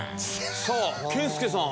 さあ健介さん